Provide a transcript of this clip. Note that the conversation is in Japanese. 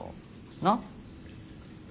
なっ？